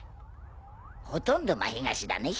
ほとんど真東だね？